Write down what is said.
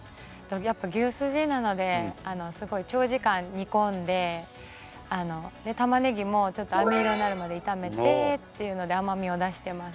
やっぱ牛すじなのですごい長時間煮込んで玉ねぎもあめ色になるまで炒めてっていうので甘みを出してます。